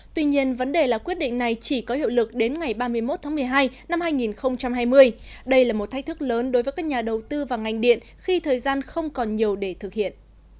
tuy nhiên vấn đề là quyết định này chỉ có hiệu lực đến ngày ba mươi một tháng một mươi hai năm hai nghìn hai mươi đây là một thách thức lớn đối với các nhà đầu tư và ngành điện khi thời gian không còn nhiều để thực hiện